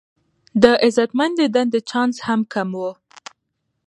د عزتمندې دندې چانس هم کم و.